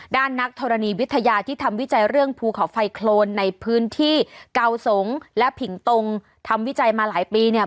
นักธรณีวิทยาที่ทำวิจัยเรื่องภูเขาไฟโครนในพื้นที่เกาสงและผิงตรงทำวิจัยมาหลายปีเนี่ย